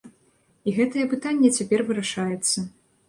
І гэтае пытанне цяпер вырашаецца.